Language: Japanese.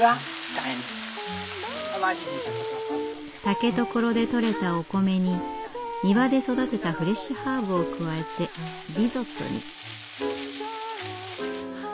竹所でとれたお米に庭で育てたフレッシュハーブを加えてリゾットに。